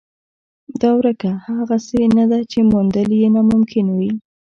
دا ورکه هغسې نه ده چې موندل یې ناممکن وي.